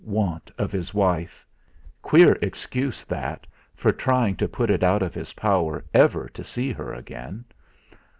Want of his wife! queer excuse that for trying to put it out of his power ever to see her again!